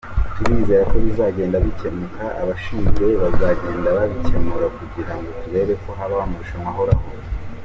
Turizera ko bizagenda bikemuka, ababishinzwe bazagenda babikemura kugira ngo turebe ko habaho amarushanwa ahoraho.